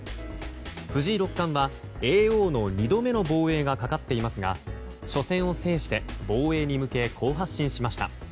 藤井六冠は叡王の２度目の防衛がかかっていますが、初戦を制して防衛に向け好発進しました。